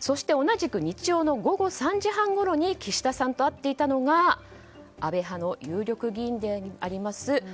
そして同じく日曜の午後３時半ごろに岸田さんと会っていたのが安倍派の有力議員であります